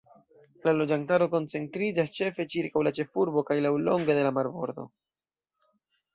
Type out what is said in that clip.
La loĝantaro koncentriĝas ĉefe ĉirkaŭ la ĉefurbo kaj laŭlonge de la marbordo.